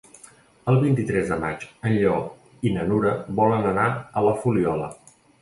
El vint-i-tres de maig en Lleó i na Nura volen anar a la Fuliola.